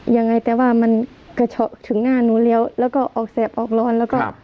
ยังไงแต่ว่ามันกระเฉาะถึงหน้าหนูเลี้ยวแล้วก็ออกแสบออกร้อนแล้วก็